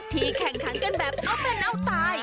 แข่งขันกันแบบเอาเป็นเอาตาย